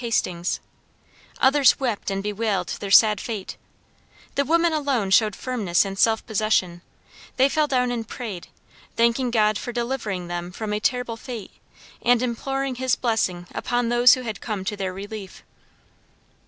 Hastings; others wept and bewailed their sad fate; the women alone showed firmness and self possession; they fell down and prayed, thanking God for delivering them from a terrible fate, and imploring His blessing upon those who had come to their relief.